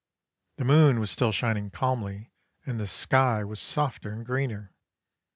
The moon was still shining calmly, and the sky was softer and greener.